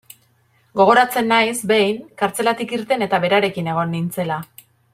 Gogoratzen naiz, behin, kartzelatik irten eta berarekin egon nintzela.